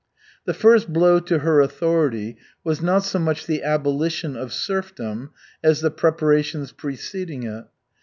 The first blow to her authority was not so much the abolition of serfdom as the preparations preceding it.